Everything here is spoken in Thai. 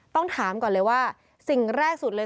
ต้องถามก่อนเลยว่าสิ่งแรกสุดเลย